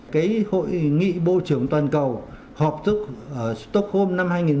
cái hội nghị bộ trưởng toàn cầu họp tức ở stockholm năm hai nghìn một mươi chín